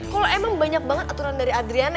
kalau emang banyak banget aturan dari adriana